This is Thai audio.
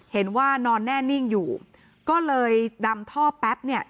เห็นว่านอนแน่นิ่งอยู่ก็เลยดำท่อแป๊บเนี่ย